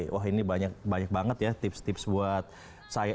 wah ini banyak banget ya tips tips buat saya